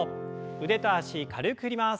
腕と脚軽く振ります。